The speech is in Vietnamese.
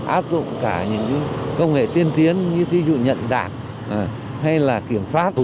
áp dụng cả những công nghệ tiên tiến như ví dụ nhận giảm hay là kiểm pháp